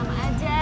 gak ada aja